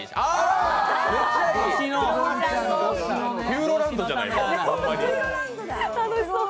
ピューロランドじゃない。